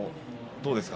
どうですか。